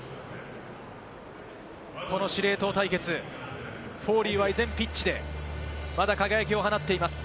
この司令塔対決、フォーリーは依然、ピッチでまだ輝きを放っています。